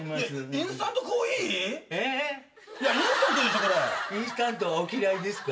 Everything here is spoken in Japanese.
インスタントはお嫌いですか？